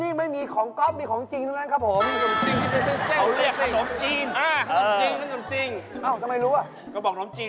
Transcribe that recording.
ลืมหยิบผักมากินกับขนมสิง